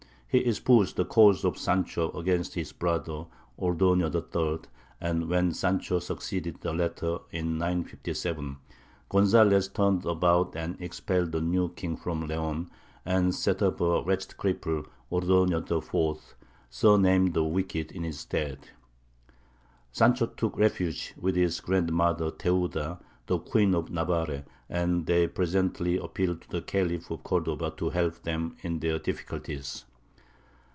He espoused the cause of Sancho against his brother, Ordoño III., and when Sancho succeeded the latter, in 957, Gonzalez turned about and expelled the new king from Leon, and set up a wretched cripple, Ordoño IV., surnamed the Wicked, in his stead. Sancho took refuge with his grandmother, Theuda, the Queen of Navarre, and they presently appealed to the Khalif of Cordova to help them in their difficulties.